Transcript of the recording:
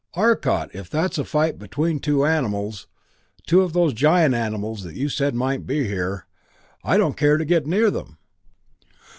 "Arcot, if that's a fight between two animals two of those giant animals that you said might be here I don't care to get near them!"